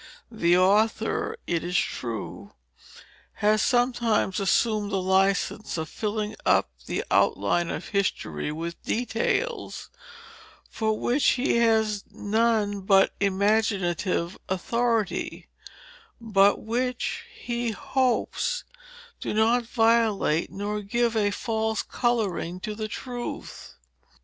The author, it is true, has sometimes assumed the license of filling up the outline of history with details, for which he has none but imaginative authority, but which, he hopes, do not violate nor give a false coloring to the truth.